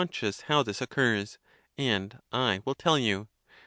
413 scious how this occurs; and I will tell you.!